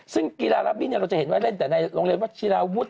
ซึ่งกีฬารับบินเราจะเห็นว่าเล่นแต่ในโรงเรียนวัชิราวุฒิ